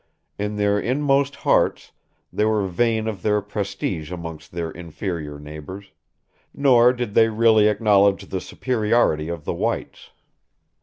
In their inmost hearts, they were vain of their prestige amongst their inferior neighbors; nor did they really acknowledge the superiority of the whites.